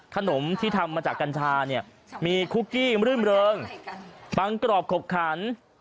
ขนมที่ทำมาจากกัญชาเนี่ยมีคุกกี้รื่นเริงบางกรอบขบขัน